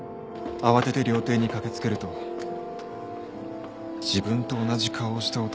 慌てて料亭に駆けつけると自分と同じ顔をした男がいました。